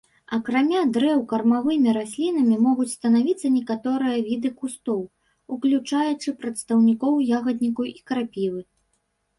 Акрамя дрэў кармавымі раслінамі могуць станавіцца некаторыя віды кустоў, уключаючы прадстаўнікоў ягадніку і крапівы.